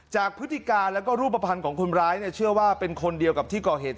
พฤติการแล้วก็รูปภัณฑ์ของคนร้ายเชื่อว่าเป็นคนเดียวกับที่ก่อเหตุ